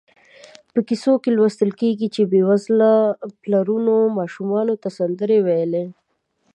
په کیسو کې لوستل کېږي چې بېوزله پلرونو ماشومانو ته سندرې ویلې.